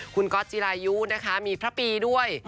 คุณกอธจิรายุถ้าปีด้วย